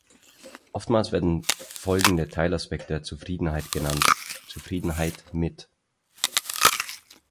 Oftmals werden folgende Teilaspekte der Zufriedenheit genannt: Zufriedenheit mit